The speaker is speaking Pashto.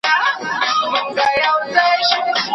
« اختیار به مي د ږیري همېشه د ملا نه وي»